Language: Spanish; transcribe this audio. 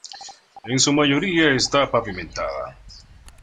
En su mayoría esta pavimentada.